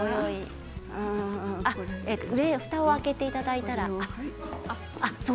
上のふたを開けていただいたら。